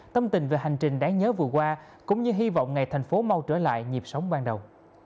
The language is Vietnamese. tâm tình về hành trình đáng nhớ vừa qua cũng như hy vọng ngày thành phố mau trở lại nhịp sống ban đầu